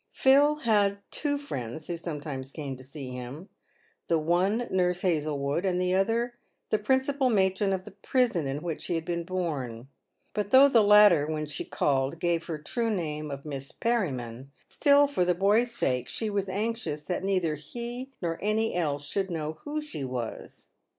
Phil had two friends who sometimes came to see him — the one Nurse Hazlewood, and the other the principal matron of the prison in which he had been born ; but though the latter, when she called, gave her true name of Miss Perriman, still, for the boy's sake, she was anxious that neither ne nor any else should know who she was.